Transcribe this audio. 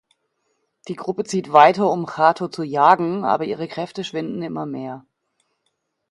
Die Gruppe zieht weiter, um Chato zu jagen, aber ihre Kräfte schwinden immer mehr.